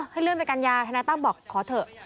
อ๋อให้เรื่อนไปกัญญาธนัยตั้มบอกขอเถอะ